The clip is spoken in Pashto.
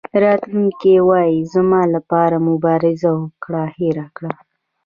راتلونکی وایي زما لپاره مبارزه وکړه هېر کړه.